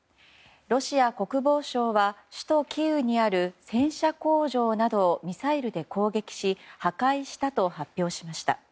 ロシア国防省は首都キーウにある戦車工場などをミサイルで攻撃し破壊したと発表しました。